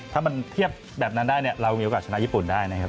ถ้ามันเทียบแบบนั้นได้เนี่ยเรามีโอกาสชนะญี่ปุ่นได้นะครับ